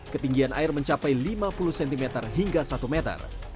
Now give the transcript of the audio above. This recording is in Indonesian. ketinggian air mencapai lima puluh cm hingga satu meter